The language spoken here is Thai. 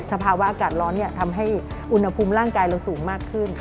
สภาวะอากาศร้อนทำให้อุณหภูมิร่างกายเราสูงมากขึ้น